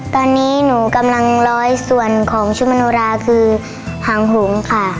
ตอนนี้หนูกำลังร้อยส่วนของชุมโนราคือหางหงค่ะ